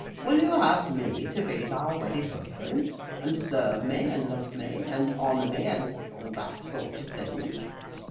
Will you have me to be thy wedded husband, and serve me, and love me, and honour me, and all that sort of thing?